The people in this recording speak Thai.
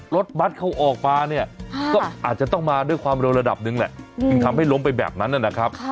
รถบัตรเขาออกมาเนี่ยก็อาจจะต้องมาด้วยความเร็วระดับหนึ่งแหละจึงทำให้ล้มไปแบบนั้นนะครับ